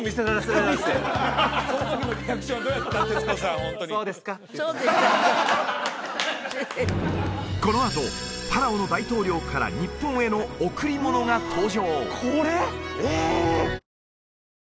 ホントにこのあとパラオの大統領から日本への贈り物が登場